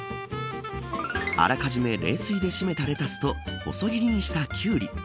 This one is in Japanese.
あらかじめ冷水でしめたレタスと細切りにしたキュウリ